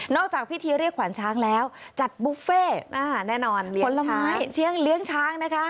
นอกจากพิธีเรียกขวานช้างแล้วจัดบุฟเฟ่อ่าแน่นอนผลไม้เชื้องเลือกช้างนะค่ะ